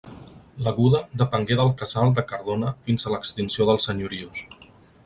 L'Aguda depengué del casal de Cardona fins a l'extinció dels senyorius.